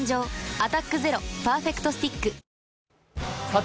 「アタックＺＥＲＯパーフェクトスティック」